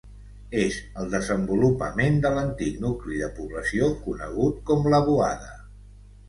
És el desenvolupament de l'antic nucli de població conegut com la Boada.